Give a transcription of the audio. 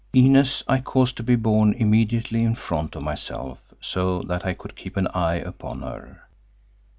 Inez I caused to be borne immediately in front of myself so that I could keep an eye upon her.